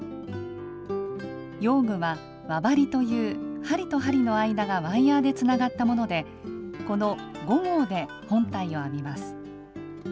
用具は輪針という針と針の間がワイヤーでつながったものでこの５号で本体を編みます。